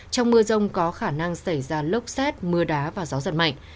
trong mưa rông có khả năng xảy ra lốc xét mưa đá và gió giật mạnh